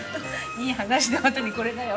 いい話のあとにこれだよ。